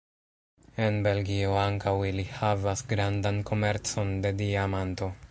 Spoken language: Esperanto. En Belgio ankaŭ ili havas grandan komercon de diamanto.